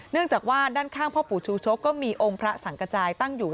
เนื่องจากว่าด้านข้างพ่อปู่ชูชกก็มีองค์พระสังกระจายตั้งอยู่